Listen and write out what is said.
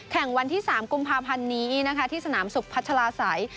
วันที่๓กุมภาพันธ์นี้นะคะที่สนามสุขพัชลาศัย